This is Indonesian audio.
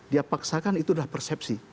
dia paksakan itu adalah persepsi